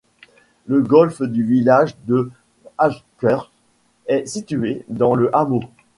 Le golf du village de Hawkhurst est situé dans le hameau.